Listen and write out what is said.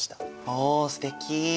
おすてき！